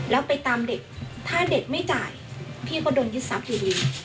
แล้วไปตามเด็กถ้าเด็กไม่จ่ายพี่ก็โดนยึดทรัพย์อยู่ดี